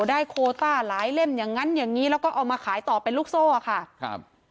โคต้าหลายเล่มอย่างงั้นอย่างงี้แล้วก็เอามาขายต่อเป็นลูกโซ่อ่ะค่ะครับ